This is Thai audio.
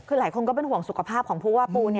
คือหลายคนก็เป็นห่วงสุขภาพของผู้ว่าปู